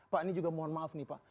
pak ini juga mohon maaf nih pak